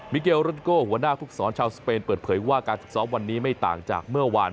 เกลรุนโก้หัวหน้าภูมิสอนชาวสเปนเปิดเผยว่าการฝึกซ้อมวันนี้ไม่ต่างจากเมื่อวาน